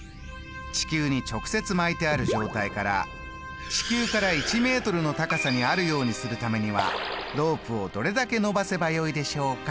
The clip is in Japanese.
地球に直接巻いてある状態から地球から１ｍの高さにあるようにするためにはロープをどれだけ伸ばせばよいでしょうか？」